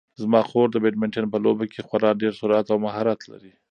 زما خور د بدمینټن په لوبه کې خورا ډېر سرعت او مهارت لري.